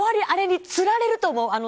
あれにつられると思う。